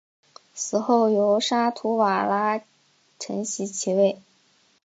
死后由沙图瓦拉承袭其位。